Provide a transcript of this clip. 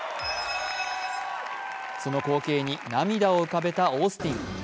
その光景に涙を浮かべたオースティン。